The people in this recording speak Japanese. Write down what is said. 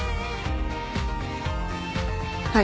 はい。